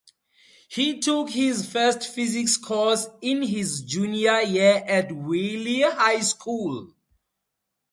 He took his first physics course in his junior year at Wiley High School.